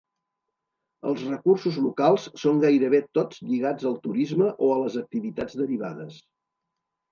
Els recursos locals són gairebé tots lligats al turisme o a les activitats derivades.